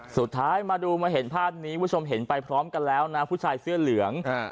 สุดท้ายมาดูมาเห็นภาพนี้คุณผู้ชมเห็นไปพร้อมกันแล้วนะผู้ชายเสื้อเหลือง